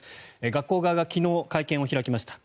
学校側が昨日会見を開きました。